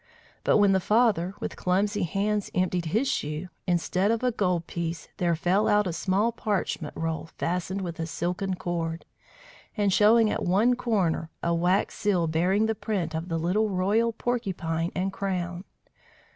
But when the father, with clumsy hands, emptied his shoe, instead of a gold piece, there fell out a small parchment roll fastened with a silken cord, and showing at one corner a wax seal bearing the print of the little royal porcupine and crown.